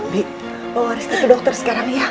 bi oh rizky ke dokter sekarang ya